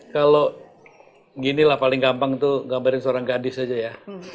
kalau ginilah paling gampang itu gambarin seorang gadis aja ya